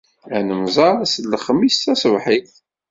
Ad nemmẓer ass n lexmis taṣebḥit.